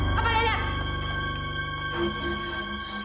apa dia lihat